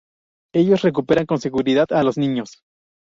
Ellos recuperan con seguridad a los niños.